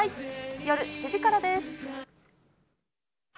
夜７時からです。